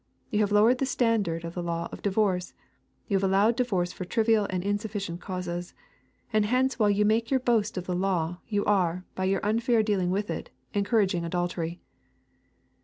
You have lowered the standard of the law of divorce. You have allowed divorce for trivial and insufficient causes. And hence while you make your boast of the law, yon are, by your unfair dealing with it^ encouraging adultery."